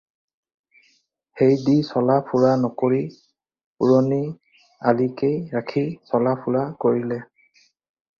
সেই দি চলা ফুৰা নকৰি পুৰণি আলিকে ৰাখি চলাফুৰা কৰিলে